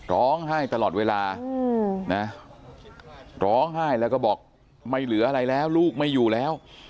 ร้องไห้ตลอดเวลานะร้องไห้แล้วก็บอกไม่เหลืออะไรแล้วลูกไม่อยู่แล้ว